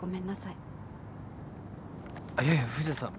いやいや藤田さん